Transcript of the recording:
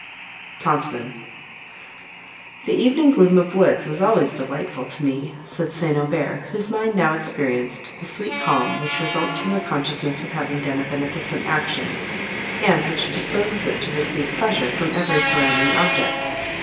THOMSON "The evening gloom of woods was always delightful to me," said St. Aubert, whose mind now experienced the sweet calm, which results from the consciousness of having done a beneficent action, and which disposes it to receive pleasure from every surrounding object.